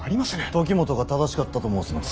時元が正しかったと申すのか。